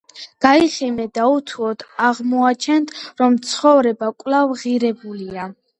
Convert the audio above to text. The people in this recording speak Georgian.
გაიღიმეთ და უთუოდ აღმოაჩენთ, რომ ცხოვრება კვლავ ღირებულია.